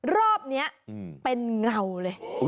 รอบนี้เป็นเงาเลย